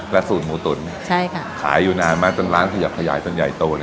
และสูตรหมูตุ๋นใช่ค่ะขายอยู่นานมากจนร้านขยับขยายจนใหญ่ตัวเนี้ย